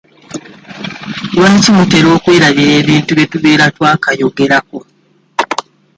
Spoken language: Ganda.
Lwaki mutera okwerabira ebintu bye tubeera twakayogerako?